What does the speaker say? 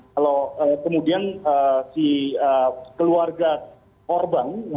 kalau kemudian si keluarga korban